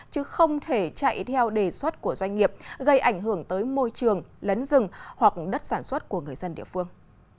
chứ không thể chạy theo đề xuất của doanh nghiệp gây ảnh hưởng tới môi trường lấn rừng hoặc đất sản xuất của người dân địa phương